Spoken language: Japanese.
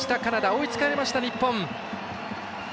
追いつかれました、日本。